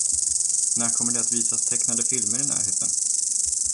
När kommer det att visas tecknade filmer i närheten?